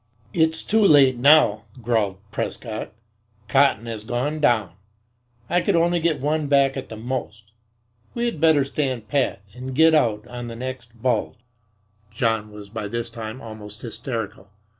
"It's too late now," growled Prescott. "Cotton has gone down. I could only get one back at the most. We had better stand pat and get out on the next bulge." John was by this time almost hysterical.